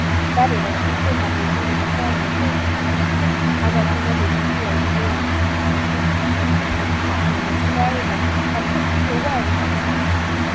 Better that she should have resumed her former shape, as I permitted Io to do. Perhaps he means to marry her, and put me away!